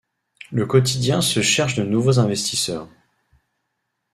Le quotidien se cherche de nouveaux investisseurs.